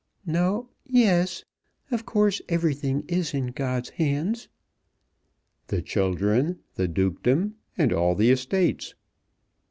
"No; yes. Of course everything is in God's hands." "The children, the dukedom, and all the estates."